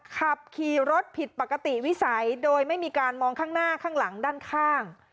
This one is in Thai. ขับขี่รถผิดปกติวิสัยโดยไม่มีการมองข้างหน้าข้างหลังด้านข้าง